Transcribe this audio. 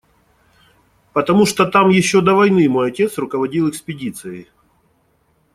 Потому что там еще до войны мой отец руководил экспедицией.